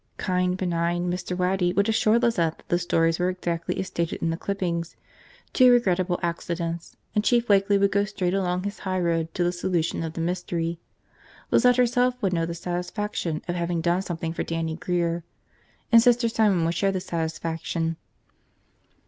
Kind, benign Mr. Waddy would assure Lizette that the stories were exactly as stated in the clippings, two regrettable accidents, and Chief Wakeley would go straight along his high road to the solution of the mystery. Lizette herself would know the satisfaction of having done something for Dannie Grear. And Sister Simon would share the satisfaction.